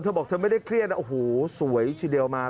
เธอบอกเธอไม่ได้เครียดนะโอ้โหสวยทีเดียวมา